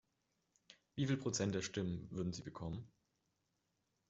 Wie viel Prozent der Stimmen würden Sie bekommen?